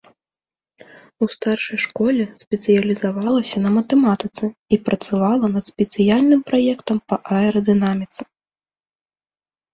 У старшай школе спецыялізавалася на матэматыцы і працавала над спецыяльным праектам па аэрадынаміцы.